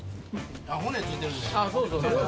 骨付いてるんでね。